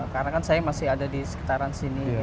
karena kan saya masih ada di sekitaran sini